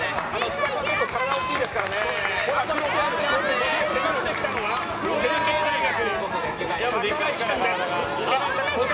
そして迫ってきたのは成蹊大学の高橋君。